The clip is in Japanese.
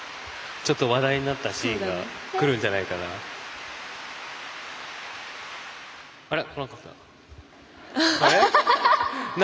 ちょっと話題になったシーンがくるんじゃないかな。